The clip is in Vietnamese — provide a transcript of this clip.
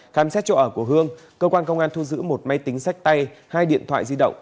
khám xét chỗ ở của hương cơ quan công an thu giữ một máy tính sách tay hai điện thoại di động